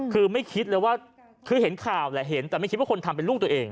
คือไม่คิดเลยว่าคือเห็นข่าวแหละเห็นแต่ไม่คิดว่าคนทำเป็นลูกตัวเอง